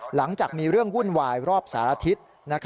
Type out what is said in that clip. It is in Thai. หลังจากมีเรื่องวุ่นวายรอบสารอาทิตย์